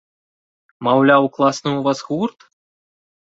Маўляў, класны ў вас гурт?